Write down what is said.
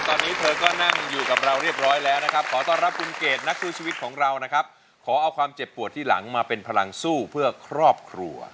ตอนนี้เธอก็นั่งอยู่กับเราเรียบร้อยแล้วนะครับขอต้อนรับคุณเกดนักสู้ชีวิตของเรานะครับขอเอาความเจ็บปวดที่หลังมาเป็นพลังสู้เพื่อครอบครัว